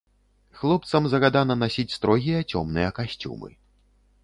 Хлопцам загадана насіць строгія цёмныя касцюмы.